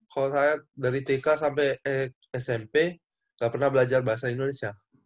kalau saya dari tk sampai smp gak pernah belajar bahasa indonesia